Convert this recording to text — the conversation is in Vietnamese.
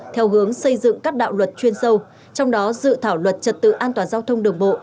theo hướng xây dựng các đạo luật chuyên sâu trong đó dự thảo luật trật tự an toàn giao thông đường bộ